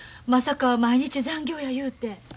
まさか毎日残業や言うて。